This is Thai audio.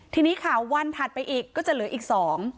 ทีนี้ค่ะวันถัดไปอีกก็จะเหลืออีกสอง